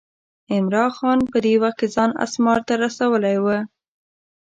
عمرا خان په دې وخت کې ځان اسمار ته رسولی و.